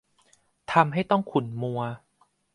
ทำให้ต้องขุ่นมัว